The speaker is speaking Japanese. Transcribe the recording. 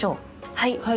はい。